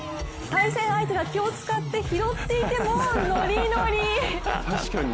対戦相手が気を遣って拾っていても、ノリノリ！